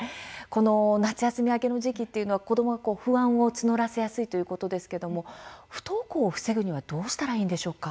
夏休み明けの時期というのは子どもが不安を募らせやすいということですが不登校を防ぐにはどうしたらいいでしょうか。